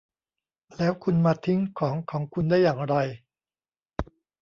แล้วคุณมาทิ้งของของคุณได้อย่างไร ?